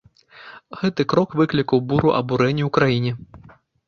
Гэты крок выклікаў буру абурэння ў краіне.